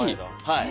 はい。